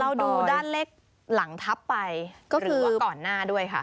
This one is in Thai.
เราดูด้านเลขหลังทับไปก็คือว่าก่อนหน้าด้วยค่ะ